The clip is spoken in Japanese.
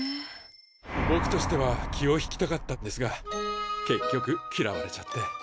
ぼくとしては気を引きたかったんですが結局きらわれちゃって。